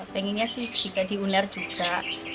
pengennya sih jika diunder juga